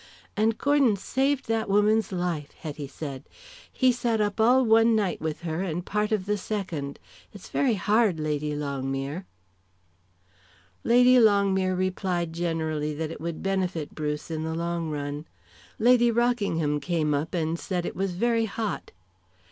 "And Gordon saved that woman's life," Hetty said. "He sat up all one night with her and part of the second. It's very hard, Lady Longmere." Lady Longmere replied generally that it would benefit Bruce in the long run. Lady Rockingham came up and said it was very hot.